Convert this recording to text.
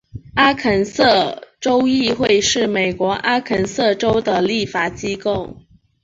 阿肯色州议会是美国阿肯色州的立法机构。